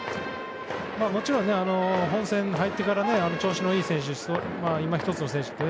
もちろん本戦に入ってから調子のいい選手そうでない選手